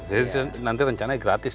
jadi nanti rencananya gratis